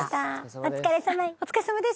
お疲れさまでした。